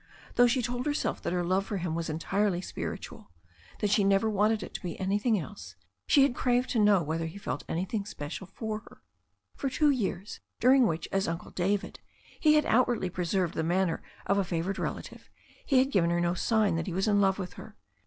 Though she told herself that her love for him was entirely spiritual, that she never wanted it to be anything else, she had craved to know whether he felt anything "special" for her. For the two years, during which, as Uncle David, he had outwardly preserved the manner of a favoured relative, he had given her no sig^ that he was in love with her.